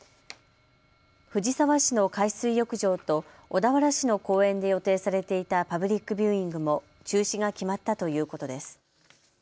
藤沢市の海水浴場と小田原市の公園で予定されていたパブリックビューイングも中止が決まったということです。